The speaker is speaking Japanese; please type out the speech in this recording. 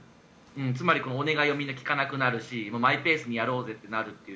つまり、お願いをみんな聞かなくなるしマイペースにやろうぜってなるっていう。